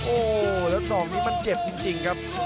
โอ้โหแล้วดอกนี้มันเจ็บจริงครับ